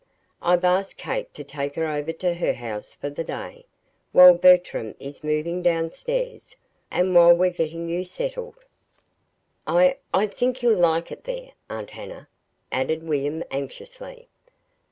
I've asked Kate to take her over to her house for the day, while Bertram is moving down stairs, and while we're getting you settled. I I think you'll like it there, Aunt Hannah," added William, anxiously.